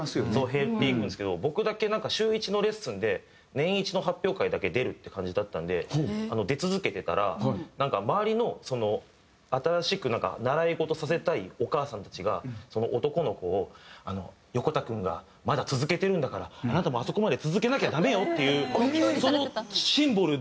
減っていくんですけど僕だけなんか週１のレッスンで年１の発表会だけ出るって感じだったんで出続けてたら周りの新しく習い事させたいお母さんたちが男の子を「ヨコタ君がまだ続けてるんだからあなたもあそこまで続けなきゃダメよ」っていう。